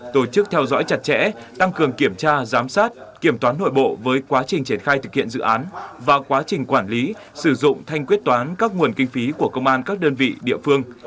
tổ chức theo dõi chặt chẽ tăng cường kiểm tra giám sát kiểm toán nội bộ với quá trình triển khai thực hiện dự án và quá trình quản lý sử dụng thanh quyết toán các nguồn kinh phí của công an các đơn vị địa phương